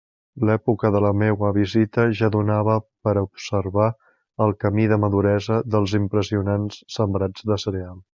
L'època de la meua visita ja donava per a observar el camí de maduresa dels impressionants sembrats de cereal.